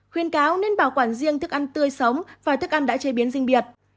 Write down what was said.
khuyên cáo nên bảo quản riêng thức ăn tươi sống và thức ăn đã chế biến riêng biệt